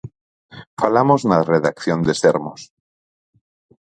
Falamos na redacción de Sermos.